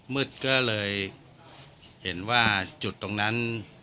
มืดก็เลยเห็นว่าจุดตรงนั้น